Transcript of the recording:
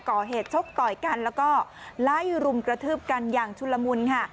ก่อเหตุชกต่อยกันแล้วก็ไล่รุมกระทืบกันอย่างชุลมุนค่ะ